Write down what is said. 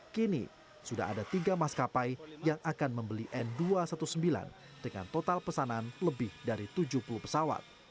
kini sudah ada tiga maskapai yang akan membeli n dua ratus sembilan belas dengan total pesanan lebih dari tujuh puluh pesawat